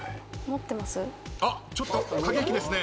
あっちょっと駆け引きですね。